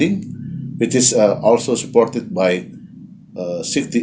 yang juga disokong oleh